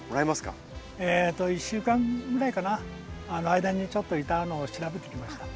えと１週間ぐらいかな間にちょっといたのを調べてきました。